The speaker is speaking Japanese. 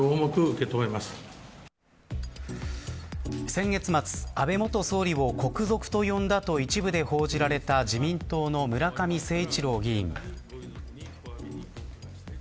先月末、安倍元総理を国賊と呼んだと一部で報じられた自民党の村上誠一郎議員。